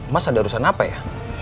mas ada urusan apa ya